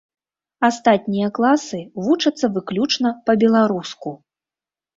Астатнія класы вучацца выключна па-беларуску.